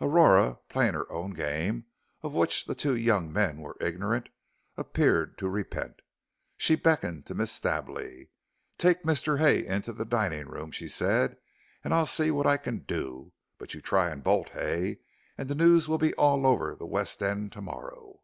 Aurora, playing her own game, of which the two young men were ignorant, appeared to repent. She beckoned to Miss Stably. "Take Mr. Hay into the dining room," she said, "and I'll see what I can do. But you try and bolt, Hay, and the news will be all over the West End to morrow."